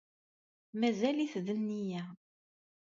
Mazal-it d nniya